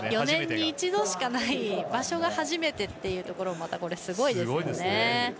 ４年に一度しかない場所が初めてっていうところがまた、すごいですよね。